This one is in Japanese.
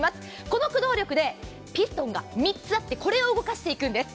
この駆動力でピストンが３つあってこれを動かしていくんです。